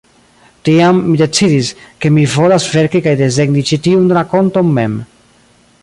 Tiam mi decidis, ke mi volas verki kaj desegni ĉi tiun rakonton mem.